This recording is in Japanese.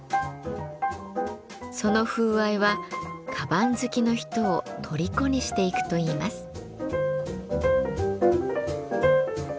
その風合いは鞄好きの人をとりこにしていくといいます。